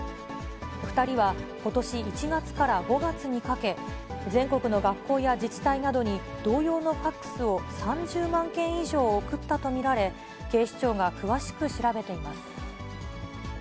２人はことし１月から５月にかけ、全国の学校や自治体などに同様のファックスを３０万件以上送ったと見られ、警視庁が詳しく調べています。